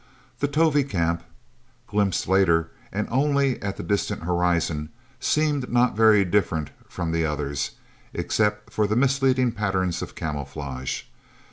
The Tovie camp, glimpsed later, and only at the distant horizon, seemed not very different from the others, except for the misleading patterns of camouflage.